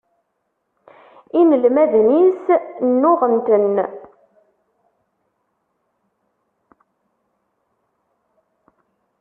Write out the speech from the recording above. Inelmaden-is nnuɣen-ten.